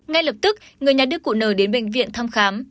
ngay lập tức người nhà đưa cụ nờ đến bệnh viện thăm khám